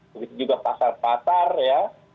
begitu juga pasar pasar ya